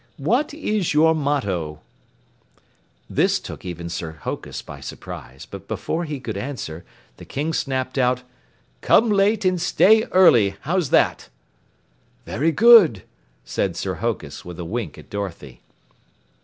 What is your motto?" This took even Sir Hokus by surprise, but before he could answer, the King snapped out: "Come late and stay early! How's that?" "Very good," said Sir Hokus with a wink at Dorothy.